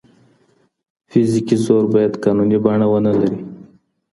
فزيکي زور بايد قانوني بڼه ونلري؟